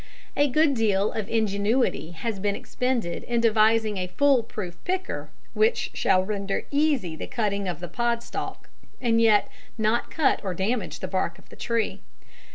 A good deal of ingenuity has been expended in devising a "foolproof" picker which shall render easy the cutting of the pod stalk and yet not cut or damage the bark of the tree.